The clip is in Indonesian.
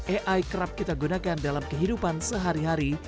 ai kerap kita gunakan dalam kehidupan sehari hari